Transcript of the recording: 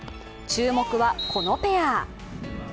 注目は、このペア。